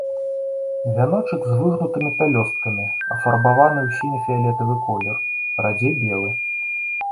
Вяночак з выгнутымі пялёсткамі, афарбаваны ў сіне-фіялетавы колер, радзей белы.